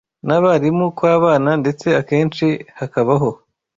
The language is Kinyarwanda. n’abarimu kw’abana, ndetse akenshi hakabaho